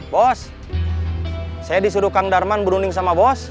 bos saya disuruh kang darman berunding sama bos